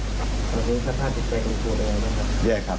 แล้วก็เรื่องของการเรียนการสอนทุกวันเลยนะครับ